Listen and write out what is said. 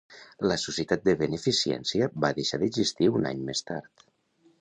La Societat de Beneficència va deixar d'existir un any més tard.